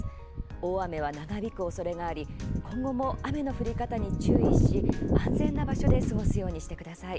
大雨は長引くおそれがあり今後も雨の降り方に注意し安全な場所で過ごすようにしてください。